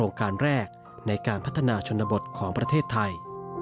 ในการพัฒนาชนบทของประเทศไทย